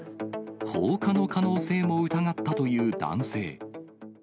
放火の可能性も疑ったという男性。